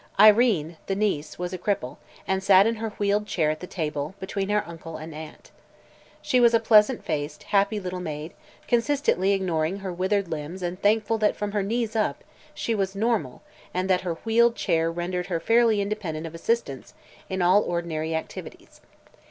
Irene, the niece, was a cripple and sat in her wheeled chair at the table, between her uncle and aunt. She was a pleasant faced, happy little maid, consistently ignoring her withered limbs and thankful that from her knees up she was normal and that her wheeled chair rendered her fairly independent of assistance in all ordinary activities.